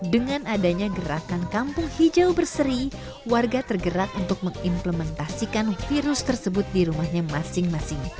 dengan adanya gerakan kampung hijau berseri warga tergerak untuk mengimplementasikan virus tersebut di rumahnya masing masing